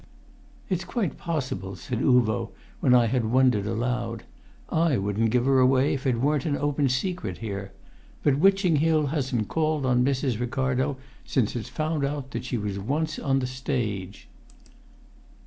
"It's quite possible," said Uvo, when I had wondered aloud. "I wouldn't give her away if it weren't an open secret here. But Witching Hill hasn't called on Mrs. Ricardo since it found out that she was once on the stage."